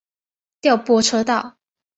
调拨车道。